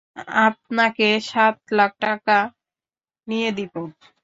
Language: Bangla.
আপনাকে সাত লাখ টাকা নিয়ে দিব।